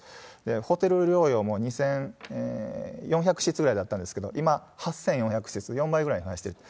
ホテル療養も２４００室ぐらいだったんですけど、今、８４００室、４倍ぐらいに増やしていると。